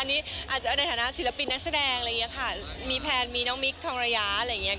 อันนี้อาจจะเอาในฐานะศิลปินนักแชดงมีแพนมีน้องมิคทองระยา